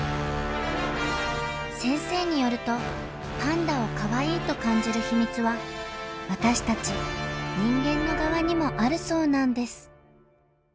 先生によるとパンダを「かわいい」と感じる秘密は私たち人間の側にもあるそうなんです。